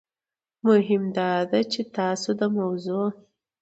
مهم داده چې تاسو د موضوع